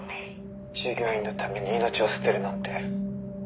「従業員のために命を捨てるなんて」